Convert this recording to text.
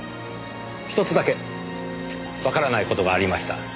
ひとつだけわからない事がありました。